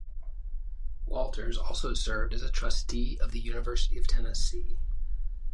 Walters also served as a trustee of the University of Tennessee.